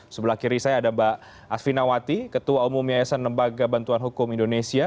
sebelah kiri saya ada mbak asvinawati ketua umum yayasan lembaga bantuan hukum indonesia